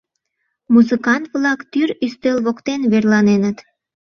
Музыкант-влак тӱр ӱстел воктен верланеныт.